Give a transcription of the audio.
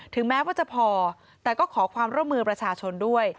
แม้ว่าจะพอแต่ก็ขอความร่วมมือประชาชนด้วย